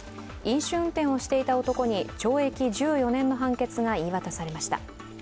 飲酒運転をしていた男に懲役１４年の判決が言い渡されました。